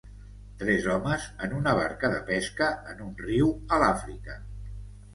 Tres homes en una barca de pesca en un riu a l'Àfrica.